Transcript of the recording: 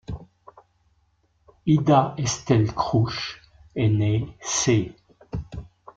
Ida Estelle Crouch est née c.